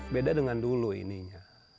beda dengan dulu ininya